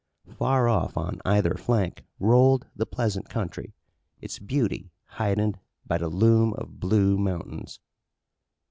Far off on either flank rolled the pleasant country, its beauty heightened by the loom of blue mountains.